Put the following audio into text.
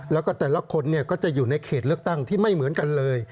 แล้วก็แต่ละคนก็จะอยู่ในเขตเลือกตั้งที่ไม่เหมือนกันเลย